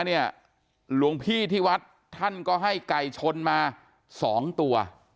หลวงพี่ที่วัดท่านก็ให้ไก่ชนมา๒ตัว